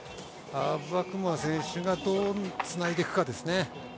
アバクモワ選手がどうつないでいくかですね。